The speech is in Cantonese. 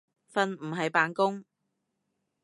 瞓唔係扮工